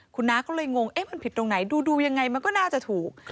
คุณน้าก็เลยงงมันผิดตรงไหนดูยังไงมันก็น่าจะถูก